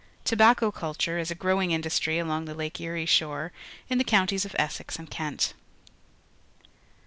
To bacco culture is a grow ing industry along the Lake Erie shore in the counties of Essex and Kent.